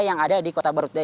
yang ada di kota baru